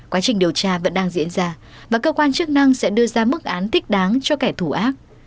quá trình điều tra vẫn đang diễn ra và cơ quan chức năng sẽ đưa ra mức án thích đáng cho kẻ thù ác